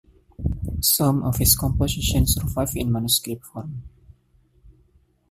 Some of his compositions survive in manuscript form.